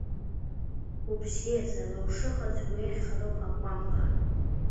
Убзиаз, ара ушыҟаз уеиӷьхароуп, акәамԥа.